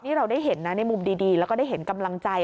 นี่เราได้เห็นนะในมุมดีแล้วก็ได้เห็นกำลังใจ